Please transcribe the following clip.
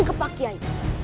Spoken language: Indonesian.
ke pak kiai